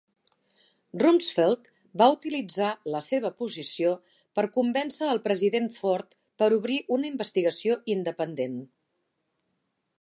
Rumsfeld va utilitzar la seva posició per convèncer el president Ford per obrir una investigació independent.